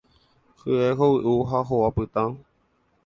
Hye hovyũ ha hova pytã.